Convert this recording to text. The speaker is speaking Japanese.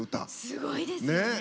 すごいですよね。